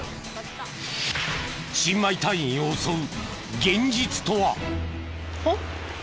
新米隊員を襲う現実とは？